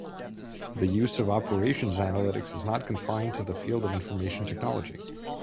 The use of operations analytics is not confined to the field of information technology.